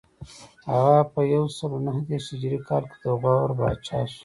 هغه په یو سل نهه دېرش هجري کال کې د غور پاچا شو